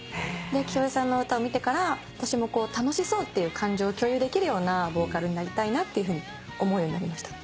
で聖恵さんの歌を見てから私も楽しそうっていう感情を共有できるようなボーカルになりたいなって思うようになりました。